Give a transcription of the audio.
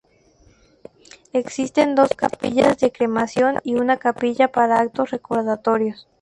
Existen dos capillas de cremación y una capilla para actos recordatorios.